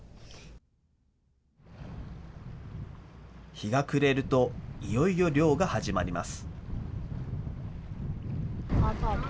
日が暮れると、いよいよ漁が始まります。